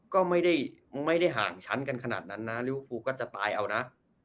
ก็ไม่ได้ห่างชั้นกันขนาดนั้นนะลิเวอร์ฟูก็จะตายเอานะ